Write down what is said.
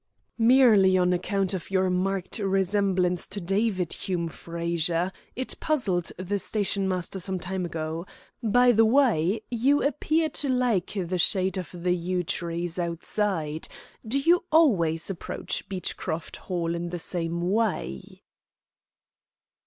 "Merely on account of your marked resemblance to David Hume Frazer. It puzzled the stationmaster some time ago. By the way, you appear to like the shade of the yew trees outside. Do you always approach Beechcroft Hall in the same way?"